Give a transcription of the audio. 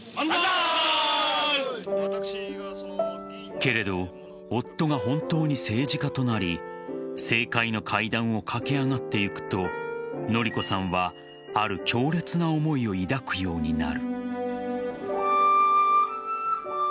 けれど夫が本当に政治家となり政界の階段を駆け上がっていくと典子さんはある強烈な思いを抱くようになる。